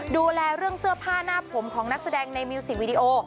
ดูแลเรื่องเสื้อผ้าหน้าผมของนักแสดงในมิวสิกวีดีโอ